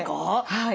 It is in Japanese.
はい。